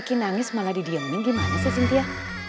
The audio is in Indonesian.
kok vicky nangis malah didiamin gimana sih cynthia